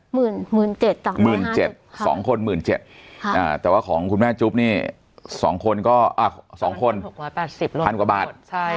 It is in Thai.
หมื่นเจ็ดสองคนหมื่นเจ็ดแต่ว่าของคุณแม่จุ๊บเนี่ย๒คน๖๘๐บาท